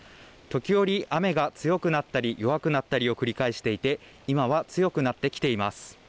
時折、雨が強くなったり弱くなったりを繰り返していて今は強くなってきています。